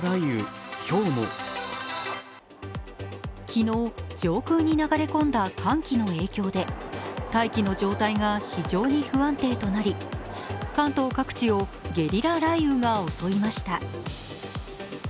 昨日、上空に流れ込んだ寒気の影響で大気の状態が非常に不安定となり関東各地を、ゲリラ雷雨が襲いました。